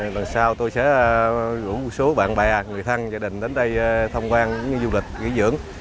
lần sau tôi sẽ gửi một số bạn bè người thân gia đình đến đây tham quan du lịch nghỉ dưỡng